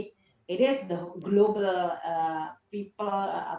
jadi global orang orang